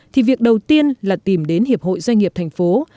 thì việc đầu tiên là tìm đến hiệp hội doanh nghiệp tp hcm